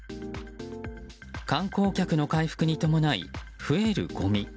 観光客の回復に伴い増えるごみ。